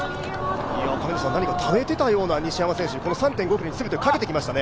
何かためていたような西山選手、３．５ｋｍに全てかけていましたね。